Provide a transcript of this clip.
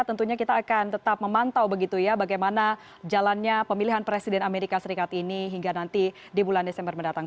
tentunya kita akan tetap memantau begitu ya bagaimana jalannya pemilihan presiden amerika serikat ini hingga nanti di bulan desember mendatang